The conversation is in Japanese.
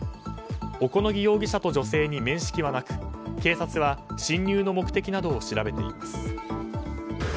小此木容疑者と女性に面識はなく警察は侵入の目的などを調べています。